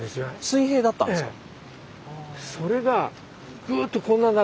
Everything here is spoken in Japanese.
水平だったんですか？